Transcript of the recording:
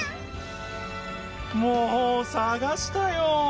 もうさがしたよ。